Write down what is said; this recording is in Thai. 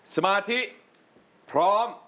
สมาธิพร้อม